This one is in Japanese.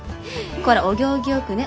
こらお行儀よくね。